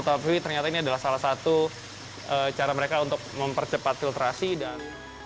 tapi ternyata ini adalah salah satu cara mereka untuk mempercepat filtrasi dan